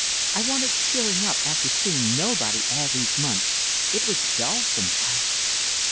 I wanted cheering up after seeing nobody all these months. It was dull sometimes."